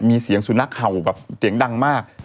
มีเสียงสุนะคาวเหลือแบบเรียงดังมาก